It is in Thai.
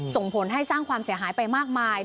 ส่งผลให้สร้างความเสียหายไปมากมาย